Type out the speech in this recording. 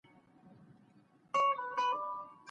ښایي ړوند سړی له ږیري سره ډوډۍ او مڼه واخلي.